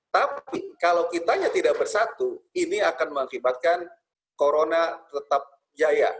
tapi kalau kitanya tidak bersatu ini akan mengakibatkan corona tetap jaya